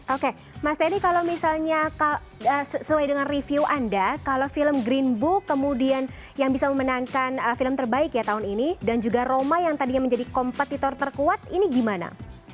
oke mas teni kalau misalnya sesuai dengan review anda kalau film green book kemudian yang bisa memenangkan film terbaik ya tahun ini dan juga roma yang tadinya menjadi kompetitor terkuat ini gimana